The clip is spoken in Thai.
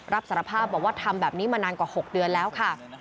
รับสารภาพบอกว่าทำแบบนี้มานานกว่า๖เดือนแล้วค่ะ